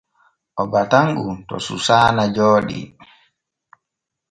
O batan on to Susaana Jooɗi.